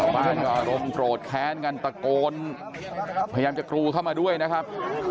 บ้านก็อารมณ์โกรธแค้นกันตะโกนพยายามจะกรูเข้ามาด้วยนะครับ